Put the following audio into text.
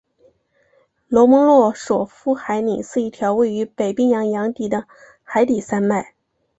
罗蒙诺索夫海岭是一条位于北冰洋洋底的海底山脉。